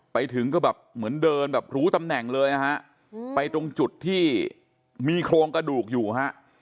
ไปถึงก็แบบเหมือนเดินแบบรู้ตำแหน่งเลยนะฮะไปตรงจุดที่มีโครงกระดูกอยู่ฮะ